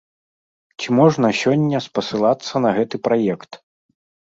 Ці можна сёння спасылацца на гэты праект?